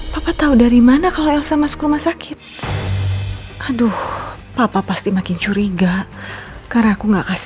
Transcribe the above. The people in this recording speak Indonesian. papa tahu dari mana kalau elsa masuk rumah sakit aduh papa pasti makin curiga karena aku enggak kasih